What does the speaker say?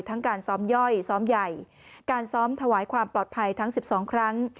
การซ้อมย่อยซ้อมใหญ่การซ้อมถวายความปลอดภัยทั้ง๑๒ครั้ง